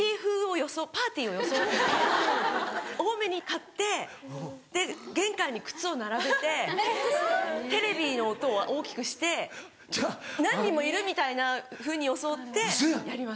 パーティーを装って多めに買ってで玄関に靴を並べてテレビの音は大きくして何人もいるみたいなふうに装ってやります。